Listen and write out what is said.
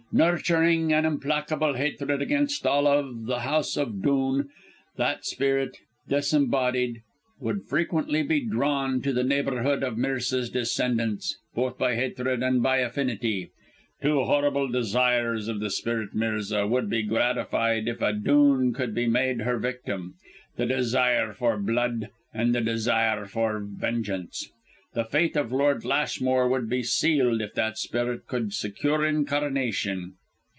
"Nurturing an implacable hatred against all of the house of Dhoon, that spirit, disembodied, would frequently be drawn to the neighbourhood of Mirza's descendants, both by hatred and by affinity. Two horrible desires of the Spirit Mirza would be gratified if a Dhoon could be made her victim the desire for blood and the desire for vengeance! The fate of Lord Lashmore would be sealed if that spirit could secure incarnation!"